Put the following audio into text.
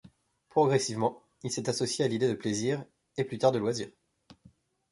Progressivement, il s'est associé à l'idée de plaisir et plus tard de loisirs.